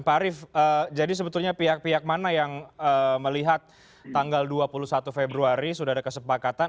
pak arief jadi sebetulnya pihak pihak mana yang melihat tanggal dua puluh satu februari sudah ada kesepakatan